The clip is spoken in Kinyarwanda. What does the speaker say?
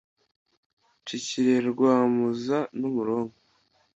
nshyikiliye Rwamuza n’umuronko,